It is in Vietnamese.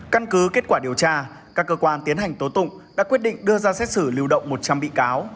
căn cứ kết quả điều tra các cơ quan tiến hành tố tụng đã quyết định đưa ra xét xử lưu động một trăm linh bị cáo